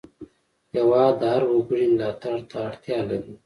هېواد د هر وګړي ملاتړ ته اړتیا لري.